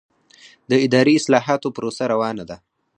د اداري اصلاحاتو پروسه روانه ده؟